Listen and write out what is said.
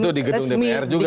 itu di gedung dpr juga